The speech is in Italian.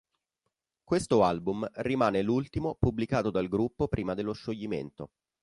Questo album rimane l'ultimo pubblicato dal gruppo prima dello scioglimento.